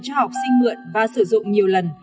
cho học sinh mượn và sử dụng nhiều lần